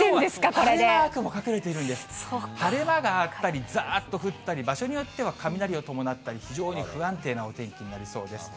晴れ間があったり、ざーっと降ったり、場所によっては雷を伴ったり、非常に不安定なお天気になりそうです。